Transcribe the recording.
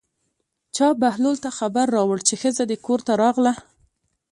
چا بهلول ته خبر راوړ چې ښځه دې کور ته راغله.